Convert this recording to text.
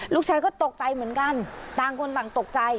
ลูกชายก็ตกใจเหมือนกันต่างคนต่างตกใจ